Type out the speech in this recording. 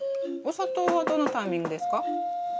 お砂糖はどのタイミングですか？